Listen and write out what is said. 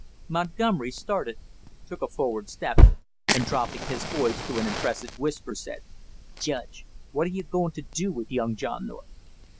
Montgomery started, took a forward step, and dropping his voice to an impressive whisper, said: "Judge, what are you goin' to do with young John North?"